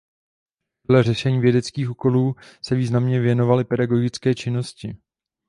Vedle řešení vědeckých úkolů se významně věnoval i pedagogické činnosti.